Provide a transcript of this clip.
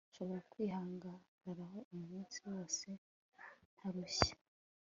nshobora kwihagararaho umunsi wose ntarushye